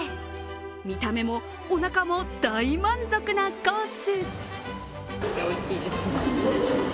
見た目もおなかも大満足なコース。